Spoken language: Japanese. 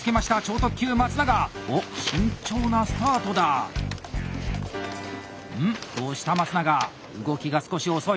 どうした松永動きが少し遅い。